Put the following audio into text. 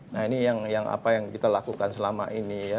nah ini yang apa yang kita lakukan selama ini ya